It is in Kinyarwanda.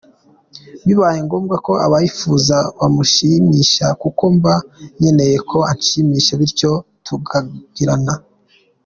Bibaye ngomba akabyifuza namushimisha kuko mba nkeneye ko anshimisha bityo tukunganirana”.